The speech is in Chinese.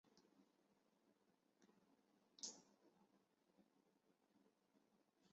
福州疍民渔歌来源于福州疍民的水上生活。